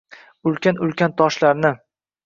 Ulkan-ulkan toshlarni